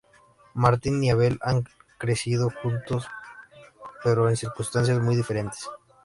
Martín y Abel han crecido juntos pero en circunstancias muy diferentes.